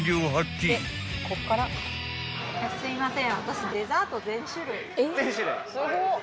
・すいません。